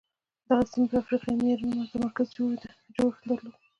دغې سیمې پر افریقایي معیارونو متمرکز جوړښت درلود.